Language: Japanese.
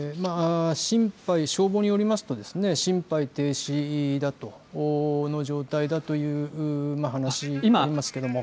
消防によりますと、心肺停止の状態だという話がありますけれども。